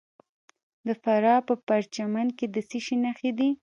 د فراه په پرچمن کې د څه شي نښې دي؟